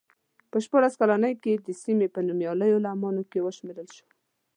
په شپاړس کلنۍ کې د سیمې په نومیالیو عالمانو کې وشمېرل شو.